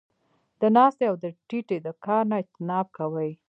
د ناستې او د ټيټې د کار نۀ اجتناب کوي -